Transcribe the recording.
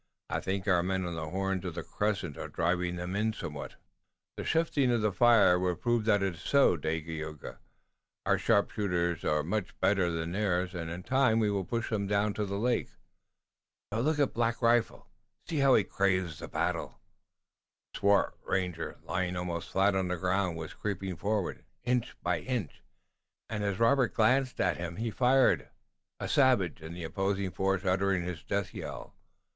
I think our men on the horns of the crescent are driving them in somewhat." "The shifting of the firing would prove that it is so, Dagaeoga. Our sharpshooting is much better than theirs, and in time we will push them down to the lake. But look at Black Rifle! See how he craves the battle!" The swart ranger, lying almost flat on the ground, was creeping forward, inch by inch, and as Robert glanced at him he fired, a savage in the opposing force uttering his death yell.